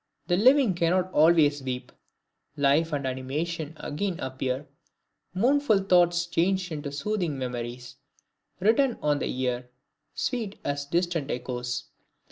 The living cannot always weep; life and animation again appear, mournful thoughts changed into soothing memories, return on the ear, sweet as distant echoes.